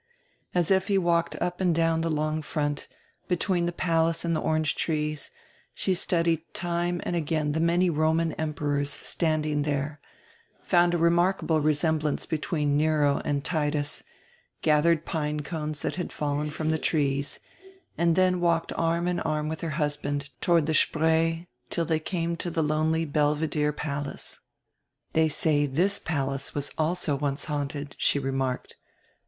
As Effi walked up and down the long front, hetween tire Palace and tire orange trees, she studied time and again tire many Roman emperors standing there, found a remark able resemhlance between Nero and Titus, gathered pine cones tirat had fallen from the trees, and then walked arm in arm with her husband toward the Spree till they came to the lonely Belvedere Palace. "They say this palace was also once haunted," she remarked.